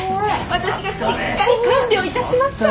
私がしっかり看病いたしますから。